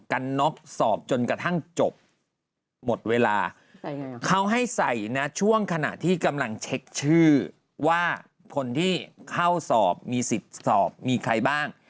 กันน็อกสอบจนกระทั่งจบหมดเวลาเขาให้ใส่นะช่วงขณะที่กำลังเช็คชื่อว่าคนที่เข้าสอบมีสิทธิ์สอบมีใครบ้าง